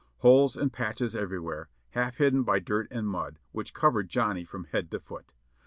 Holes and patches everywhere, half hidden by dirt and mud, which covered "Johnny" from head to foot.